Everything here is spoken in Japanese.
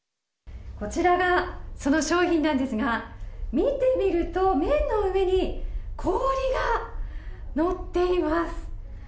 こちらが、その商品なんですが見てみると麺の上に氷が乗っています。